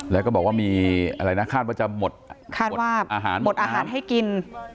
แล้วก็บอกว่ามีอะไรนะคาดว่าจะหมดอาหารให้กิน